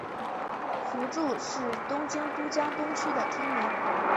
福住是东京都江东区的町名。